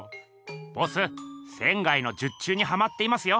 ボス仙の術中にハマっていますよ！